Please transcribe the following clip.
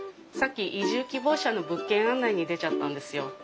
さっき移住希望者の物件案内に出ちゃったんですよ。